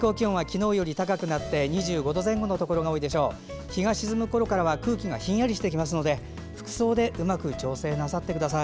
日が沈むころからは空気がひんやりしてきますので服装でうまく調整なさってください。